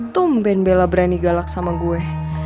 tumben bela berani galak sama gue